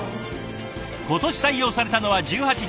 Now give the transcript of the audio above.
今年採用されたのは１８人。